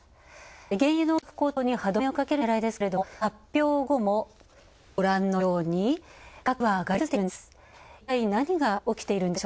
原油の価格高騰に歯止めをかける狙いですけれども、発表後も、ごらんのように、価格は上がり続けているんです。